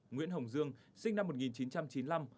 nguyễn hồng dương sinh năm một nghìn chín trăm chín mươi năm